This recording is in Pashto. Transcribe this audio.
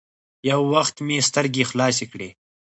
يو وخت مې سترګې خلاصې کړې.